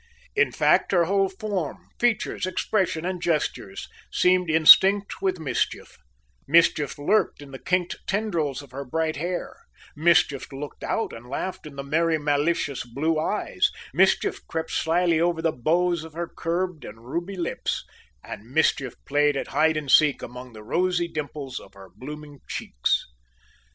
In fact her whole form, features, expression and gestures seemed instinct with mischief mischief lurked in the kinked tendrils of her bright hair; mischief looked out and laughed in the merry, malicious blue eyes; mischief crept slyly over the bows of her curbed and ruby lips, and mischief played at hide and seek among the rosy dimples of her blooming cheeks.